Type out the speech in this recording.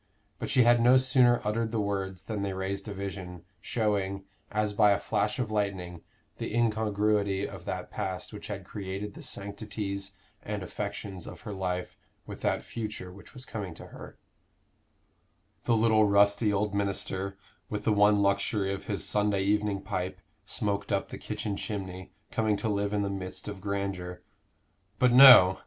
But she had no sooner uttered the words than they raised a vision, showing, as by a flash of lightning, the incongruity of that past which had created the sanctities and affections of her life with that future which was coming to her The little rusty old minister, with the one luxury of his Sunday evening pipe, smoked up the kitchen chimney, coming to live in the midst of grandeur but no!